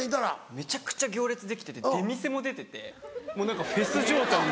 めちゃくちゃ行列できてて出店も出ててもう何かフェス状態に。